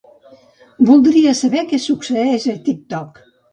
Voldria saber què succeeix a TikTok.